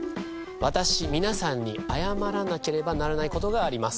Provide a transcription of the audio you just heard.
「私皆さんに謝らなければならない事があります」